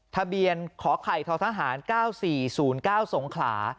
ทะเบียนขอไข่ททหาร๙๔๐๙สงขลา